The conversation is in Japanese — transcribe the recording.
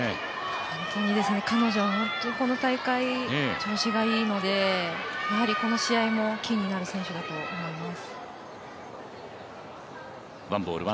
本当にですね彼女は本当にこの大会調子がいいのでやはり、この試合もキーになる選手だと思います。